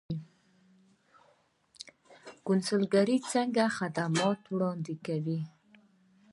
کونسلګرۍ څه خدمات وړاندې کوي؟